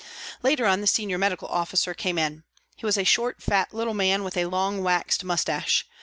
Later on the Senior Medical Officer came in. He was a short, fat, little man, with a long waxed moustache.